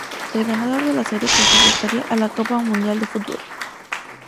El ganador de la serie clasificaría a la Copa Mundial de Fútbol.